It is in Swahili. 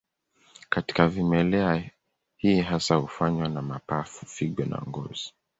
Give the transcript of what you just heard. Katika vimelea hii hasa hufanywa na mapafu, figo na ngozi.